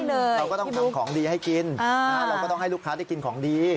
เราก็ต้องทำของดีให้กินเราก็ต้องให้ลูกค้าได้กินของดี